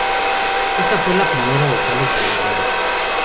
Esta fue la primera de tales galardones.